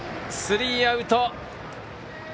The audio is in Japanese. スリーアウト。